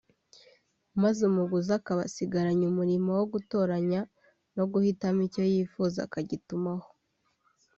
maze umuguzi akaba asigaranye umurimo wo gutoranya no guhitamo icyo yifuza akagitumaho